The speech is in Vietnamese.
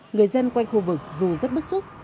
người dân quanh khu vực dù rất bức xúc